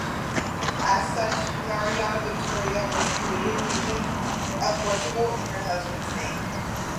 As such, Mariana Victoria was created Regent of Portugal in her husband's name.